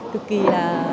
cực kì là